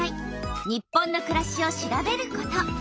「日本のくらし」を調べること。